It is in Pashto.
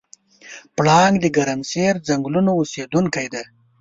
پړانګ د ګرمسیر ځنګلونو اوسېدونکی دی.